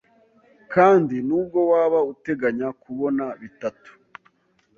kandi nubwo waba uteganya kubona bitatu